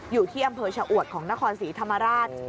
อยู่ที่อำเภอชะอวดของนครศรีธรรมราช